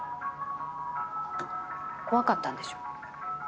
怖かったんでしょ？